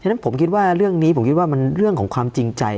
ฉะผมคิดว่าเรื่องนี้ผมคิดว่ามันเรื่องของความจริงใจ